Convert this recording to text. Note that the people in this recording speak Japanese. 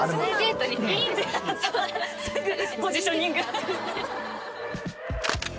すぐポジショニング。